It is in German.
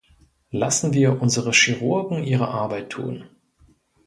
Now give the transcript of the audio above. Lassen wir unsere Chirurgen ihre Arbeit tun.